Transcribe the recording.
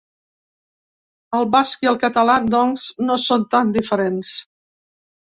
El basc i el català, doncs, no són tan diferents.